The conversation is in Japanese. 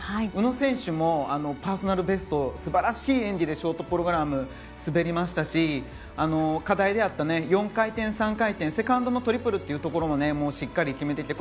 宇野選手もパーソナルベストを素晴らしい演技でショートプログラムを滑りましたし課題であった４回転、３回転セカンドのトリプルというところもしっかり決めて。